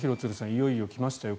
いよいよ来ましたよ